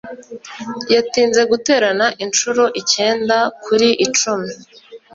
Yatinze guterana inshuro icyenda kuri icumi.